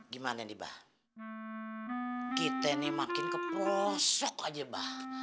gimana nih bah kita ini makin keprosok aja bah